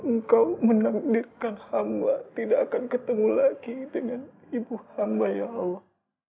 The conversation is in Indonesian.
engkau menakdirkan hamba tidak akan ketemu lagi dengan ibu hamba ya allah